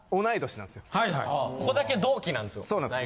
ここだけ同期なんですよ。